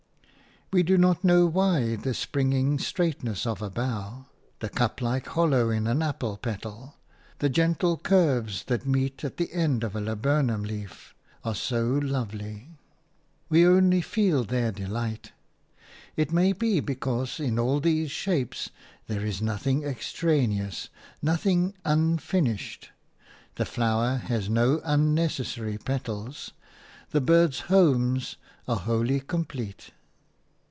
We do not know why the springing straightness of a bough, the cup like hollow in an apple petal, the gentle curves that meet at the end of a laburnum leaf, are so lovely; we only feel their delight. It may be because in all these shapes there is nothing extraneous, nothing unfinished. The flower has no unnecessary petal; the birds' homes are wholly complete.